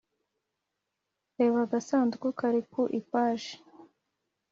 (reba agasanduku kari ku ipaji)